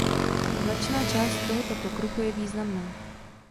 Značná část tohoto pokroku je významná.